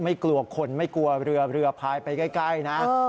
ไม่กลัวคนไม่กลัวเรือเรือพายไปใกล้นะ